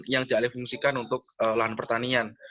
yang dialih fungsikan untuk lahan pertanian